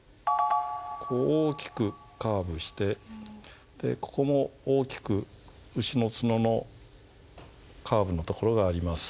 こう大きくカーブしてでここも大きく牛の角のカーブのところがあります。